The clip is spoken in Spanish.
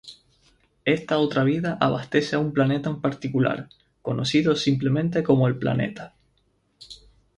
Esta otra vida abastece a un planeta en particular, conocido simplemente como el Planeta.